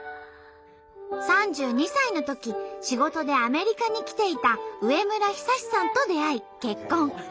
３２歳のとき仕事でアメリカに来ていた植村久さんと出会い結婚。